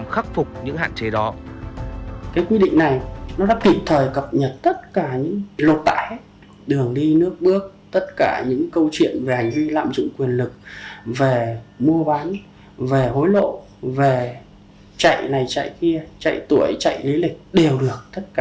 khắc phục những hạn chế đó